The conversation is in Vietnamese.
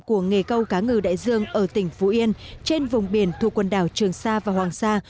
của nghề câu cá ngừ đại dương ở tỉnh phú yên trên vùng biển thuộc quần đảo trường sa và hoàng sa